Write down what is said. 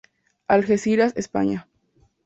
Algeciras, España.